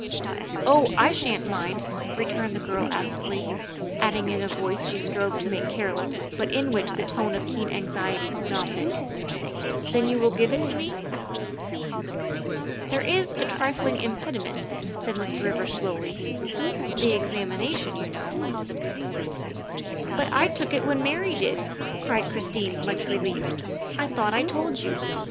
Oh, I sha'n't mind," returned the girl absently, adding in a voice she strove to make careless but in which the note of keen anxiety was dominant, '' then you will give it to me?" " There is a trifling impediment," said Mr. Rivers slowly, " the examination, you know." " But I took it when Mary did," cried Christine, much relieved. " I thought that I told you.